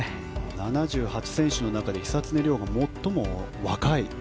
７８選手の中で久常涼が最も若い。